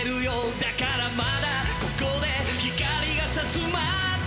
だからまだここで光が差すまで